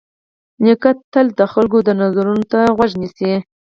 نیکه تل د خلکو د نظرونو ته غوږ نیسي.